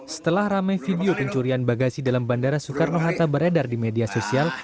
setelah ramai video pencurian bagasi dalam bandara soekarno hatta beredar di media sosial